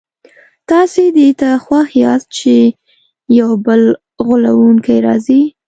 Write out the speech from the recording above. تاسي دې ته خوښ یاست چي یو بل غولونکی راځي.